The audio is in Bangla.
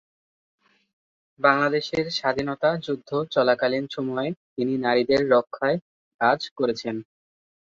বাংলাদেশের স্বাধীনতা যুদ্ধ চলাকালীন সময়ে তিনি নারীদের রক্ষায় কাজ করেছেন।